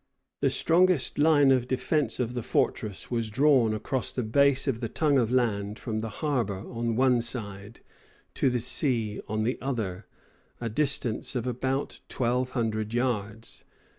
The strongest line of defence of the fortress was drawn across the base of the tongue of land from the harbor on one side to the sea on the other, a distance of about twelve hundred yards.